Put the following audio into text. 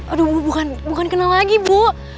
aduh bukan kenal lagi bu